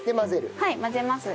はい混ぜます。